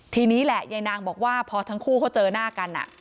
ทีนี้แหละยายนางบอกว่าพอทั้งคู่เขาเจอหน้ากัน